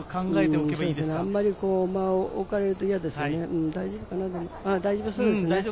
あんまり間を置かれると嫌ですよね。